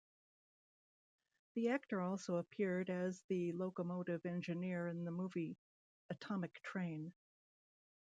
The actor also appeared as the locomotive engineer in the movie "Atomic Train".